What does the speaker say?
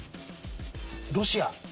ロシア。